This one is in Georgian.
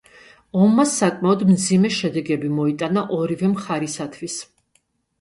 ომმა საკმაოდ მძიმე შედეგები მოიტანა ორივე მხარისათვის.